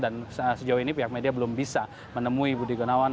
dan sejauh ini pihak media belum bisa menemui budi gunawan